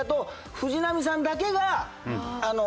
「藤波さんだけが」。